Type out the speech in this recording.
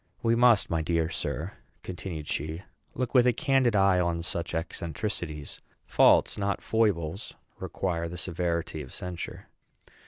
We must, my dear sir," continued she, "look with a candid eye on such eccentricities. Faults, not foibles, require the severity of censure."